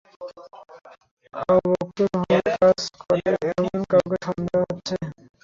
আবু বকরের হয়ে কাজ করে এমন কাউকে সন্দেহ হচ্ছে?